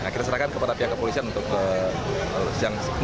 kita setelahkan kepada pihak kepolisian untuk menjelaskan